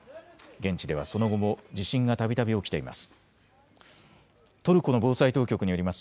現地ではその後も地震がたびたび起きています。